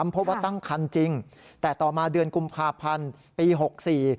พบว่าตั้งคันจริงแต่ต่อมาเดือนกุมภาพันธ์ปี๖๔